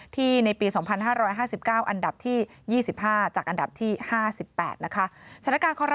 ในปี๒๕๕๙อันดับที่๒๕จากอันดับที่๕๘นะคะ